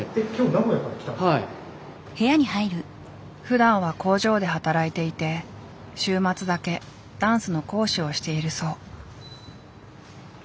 ふだんは工場で働いていて週末だけダンスの講師をしているそう。